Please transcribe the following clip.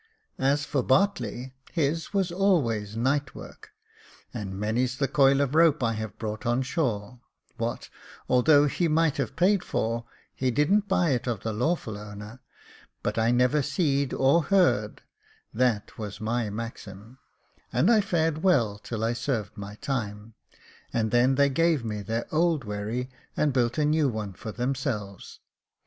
As for Bartley, his was always night work, and many's the coil of rope I have brought on shore, what, although he might have paid for, he didn't buy it of the lawful owner, but I never seed or heard, that was my maxim ; and I fared well till I served my time, and then they gave me their old wherry, and built a new one for themselves.